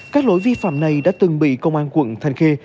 các lỗi vi phạm này đã từng bị công an quận thanh khê